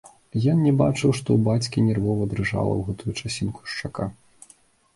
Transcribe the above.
Ён не бачыў, што ў бацькі нервова дрыжала ў гэту часінку шчака.